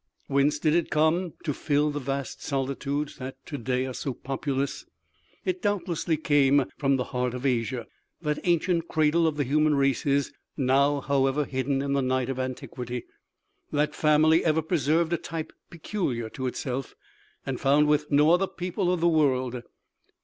Whence did it come, to fill the vast solitudes that to day are so populous? It doubtlessly came from the heart of Asia, that ancient cradle of the human races, now, however, hidden in the night of antiquity. That family ever preserved a type peculiar to itself, and found with no other people of the world.